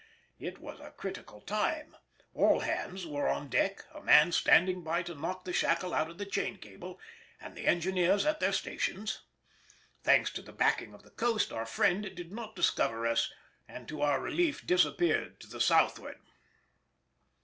It was a critical time; all hands were on deck, a man standing by to knock the shackle out of the chain cable, and the engineers at their stations. Thanks to the backing of the coast, our friend did not discover us and to our relief disappeared to the southward.